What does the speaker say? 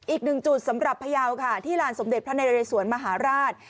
อีกหนึ่งจุดสำหรับพยาวค่ะที่ลานสมเด็จพระนเรสวนมหาราช